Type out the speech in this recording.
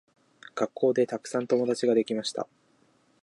学校でたくさん友達ができました。